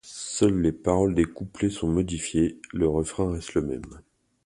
Seules les paroles des couplets sont modifiées, le refrain reste le même.